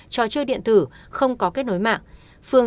trò chơi điện tử không có kết nối mạng